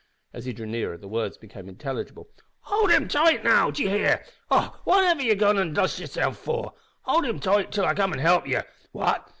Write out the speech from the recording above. As he drew nearer the words became intelligible. "Howld him tight, now! d'ye hear? Och! whereiver have ye gone an' lost yersilf? Howld him tight till I come an' help ye! What!